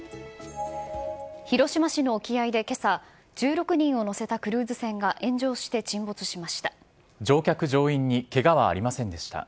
広島市の沖合でけさ、１６人を乗せたクルーズ船が炎上して沈没しました。